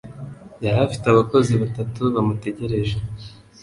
Yari afite abakozi batatu bamutegereje.